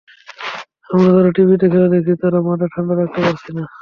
আমরা যারা টিভিতে খেলা দেখছি, তারাই মাথা ঠান্ডা রাখতে পারছি না।